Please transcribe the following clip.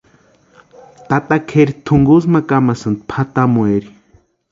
Tata Kʼeri tunkusï ma kamasïnti pʼatamueri.